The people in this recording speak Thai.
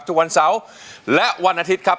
ทุกวันเสาร์และวันอาทิตย์ครับ